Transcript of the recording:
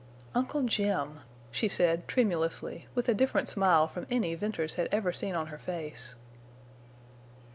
"Uncle Jim!" she said, tremulously, with a different smile from any Venters had ever seen on her face.